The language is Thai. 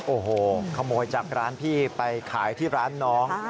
โอ้โหขโมยจากร้านพี่ไปขายที่ร้านน้อง